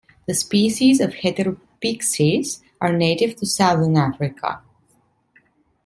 The species of "Heteropyxis" are native to southern Africa.